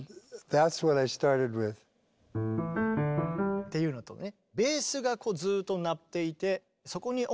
っていうのとね。